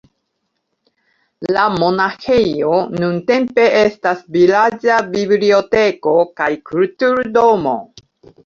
La monaĥejo nuntempe estas vilaĝa biblioteko kaj kulturdomo.